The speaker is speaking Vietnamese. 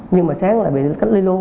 nhưng mà sáng lại bị cách ly luôn